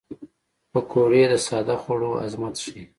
پکورې د ساده خوړو عظمت ښيي